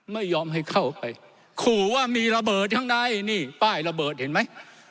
ไม่ยอมให้เข้าไปขู่ว่ามีระเบิดข้างในนี่ป้ายระเบิดเห็นไหม